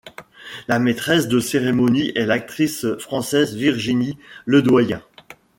La maîtresse de cérémonie est l'actrice française Virginie Ledoyen.